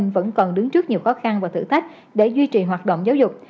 vẫn còn đứng trước nhiều khó khăn và thử thách để duy trì hoạt động giáo dục